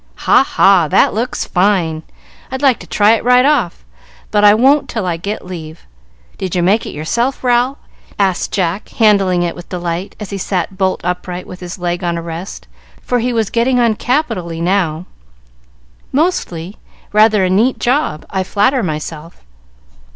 "Ha, ha, that looks fine! I'd like to try it right off, but I won't till I get leave. Did you make it yourself, Ral?" asked Jack, handling it with delight, as he sat bolt upright, with his leg on a rest, for he was getting on capitally now. "Mostly. Rather a neat job, I flatter myself."